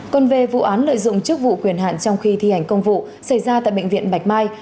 còn về vụ án lợi dụng chức vụ quyền hạn trong khi thi hành công vụ xảy ra tại bệnh viện bạch mai